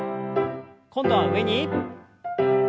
今度は上に。